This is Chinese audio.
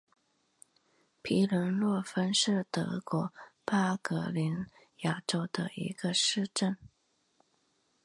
皮伦霍芬是德国巴伐利亚州的一个市镇。